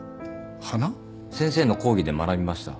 先生の講義で学びました。